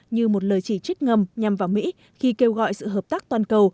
như một lời chỉ trích ngầm nhằm vào mỹ khi kêu gọi sự hợp tác toàn cầu